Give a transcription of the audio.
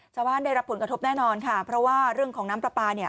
ได้รับผลกระทบแน่นอนค่ะเพราะว่าเรื่องของน้ำปลาปลาเนี่ย